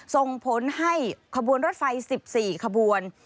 ส่งผลให้ขบวนรถไฟ๑๔ขบวน